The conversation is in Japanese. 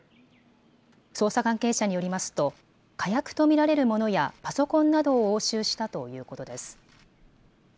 捜査関係者によりますと火薬と見られるものやパソコンなどを押収したということです。